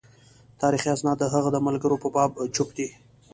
تاریخي اسناد د هغه د ملګرو په باب چوپ دي.